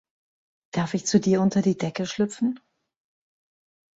Darf ich zu dir unter die Decke schlüpfen?